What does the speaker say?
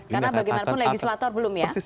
karena bagaimanapun legislator belum ya